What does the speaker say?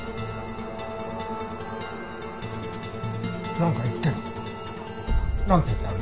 なんか言ってる。